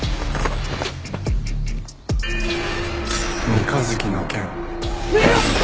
三日月の剣。